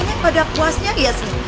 kayanya pada puasnya yes nih